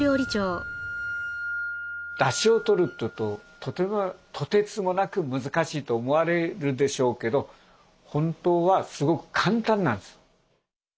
だしをとるっていうととてつもなく難しいと思われるでしょうけど本当はすごく簡単なんです。